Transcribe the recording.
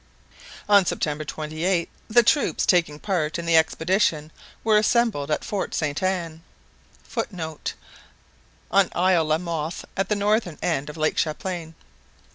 On September 28, the troops taking part in the expedition were assembled at Fort Sainte Anne. [Footnote: On isle La Mothe at the northern end of Lake Champlain.